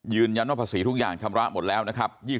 ยืนยันว่าภาษีทุกอย่างชำระหมดแล้วนะครับ